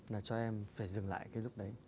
là cho em phải dừng lại cái lúc đấy